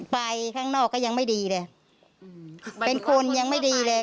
ไปข้างนอกก็ยังไม่ดีเลยเป็นคนยังไม่ดีเลย